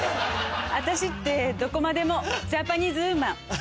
私ってどこまでもジャパニーズウーマン。